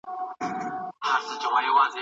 ابن خلدون د هیواد د تګلارې په اړه خبرې کړي.